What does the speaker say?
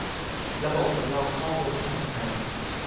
ระบบสำรองข้อมูลไม่ทำงาน